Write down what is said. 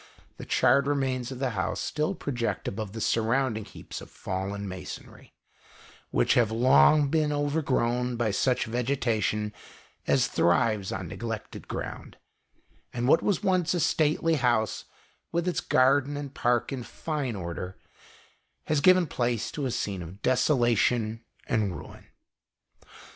The charred remains of the house still project above the surrounding heaps of fallen masonry, which have long been over grown by such vegetation as thrives on neg lected ground; and what was once a stately house, with its garden and park in fine order, has given place to a scene of desolation and ruin.